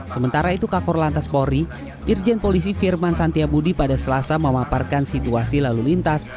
sementara itu kakor lantas polri irjen polisi firman santiabudi pada selasa memaparkan situasi lalu lintas